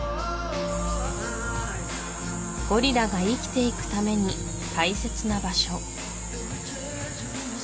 ゴリラが生きていくために大切な場所